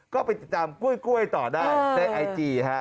ก็ไปจัดจำกล้วยต่อได้ในไอจี